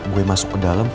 gue masuk ke dalam